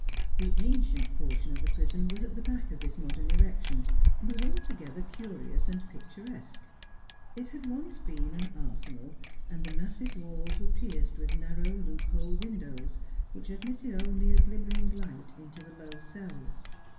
The ancient portion of the prison was at the back of this modern erection, and was altogether curious and picturesque. It had once been an arsenal, and the massive walls were pierced with narrow loophole windows, which admitted only a glimmer ing light into the low cells.